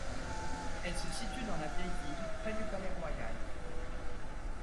Elle se situe dans la vieille ville, près du palais royal.